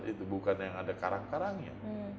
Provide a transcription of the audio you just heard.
itu bukan yang ada karang karangnya